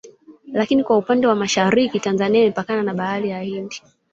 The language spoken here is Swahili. Lakini kwa upande wa Mashariki Tanzania imepakana na Bahari ya Hindi